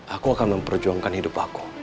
aku akan memperjuangkan hidup aku